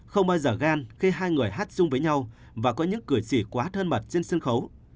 không bao giờ gan khi hai người hát chung với nhau và có những cười chỉ quá thân mật trên sân khấu